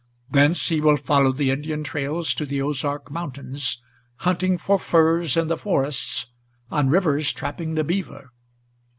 Thence he will follow the Indian trails to the Ozark Mountains, Hunting for furs in the forests, on rivers trapping the beaver.